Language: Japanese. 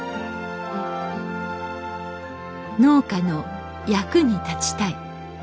「農家の役に立ちたい」。